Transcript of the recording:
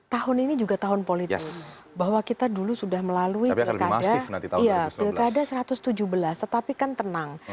tahun ini juga tahun politik bahwa kita dulu sudah melalui pilkada satu ratus tujuh belas tetapi kan tenang